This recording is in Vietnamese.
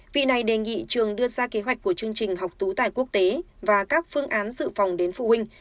vị này đề nghị trường đưa ra kế hoạch của chương trình học tú tài quốc tế và các phương án dự phòng đến phụ huynh